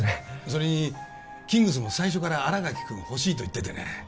それにキングスも最初から新垣君を欲しいと言っててね